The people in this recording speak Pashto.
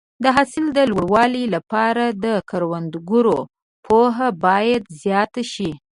د حاصل د لوړوالي لپاره د کروندګرو پوهه باید زیاته شي.